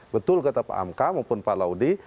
betul kata pak amka maupun pak laudy